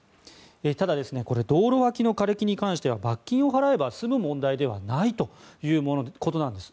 ただ、道路脇の枯れ木に関しては罰金を払えば済む問題ではないということなんです。